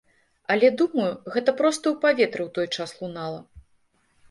Але думаю, гэта проста ў паветры ў той час лунала.